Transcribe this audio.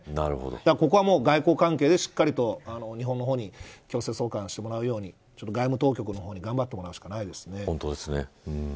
ここは外交関係しっかりと日本の方に強制送還してもらうように外務当局の方に頑張ってもらうしかないですね。